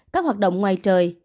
các hoạt động ngoài trời